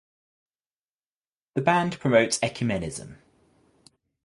The band promotes ecumenism.